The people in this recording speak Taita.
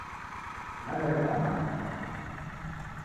Naw'ereda maka